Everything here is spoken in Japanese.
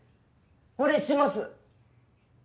お礼します！